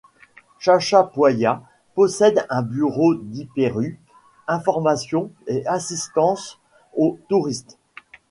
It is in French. Chachapoyas possède un bureau d'iperú, information et assistance au touriste.